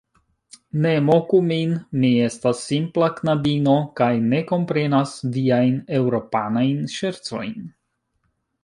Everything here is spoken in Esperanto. Ne moku min; mi estas simpla knabino, kaj ne komprenas viajn Eŭropanajn ŝercojn.